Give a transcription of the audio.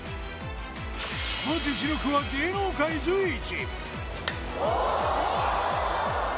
その実力は芸能界随一。